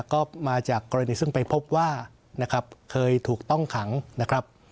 ก็มาจากกรณีซึ่งไปพบว่านะครับเคยถูกต้องขังนะครับ